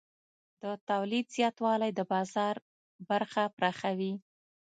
د تولید زیاتوالی د بازار برخه پراخوي.